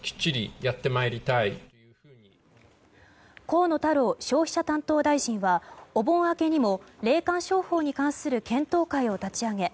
河野太郎消費者担当大臣はお盆明けにも霊感商法に関する検討会を立ち上げ